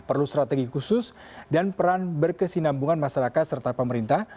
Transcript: perlu strategi khusus dan peran berkesinambungan masyarakat serta pemerintah